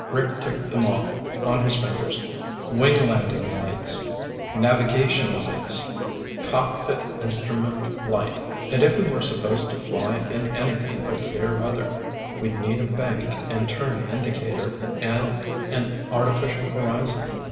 Rick ticked them off on his fingers. "Wing landing lights, navigation lights, cockpit instrument light. And if we were supposed to fly in anything but clear weather, we'd need a bank and turn indicator and an artificial horizon.